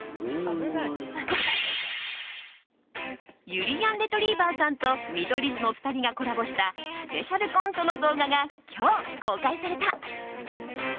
ゆりやんレトリィバァさんと見取り図の２人がコラボしたスペシャルコントの動画が今日、公開された。